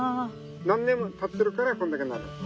何年もたってるからこんだけなる。